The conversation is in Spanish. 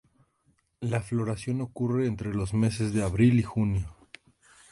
La floración ocurre entre los meses de abril y junio.